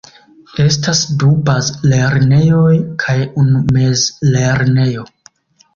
Estas du bazlernejoj kaj unu mezlernejo.